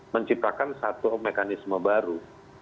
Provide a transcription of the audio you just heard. menciptakan satu mekanisme baru